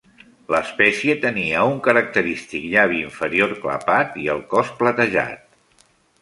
L'espècie tenia un característic llavi inferior clapat i el cos platejat.